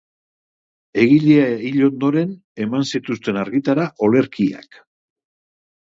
Egilea hil ondoren, eman zituzten argitara olerkiak.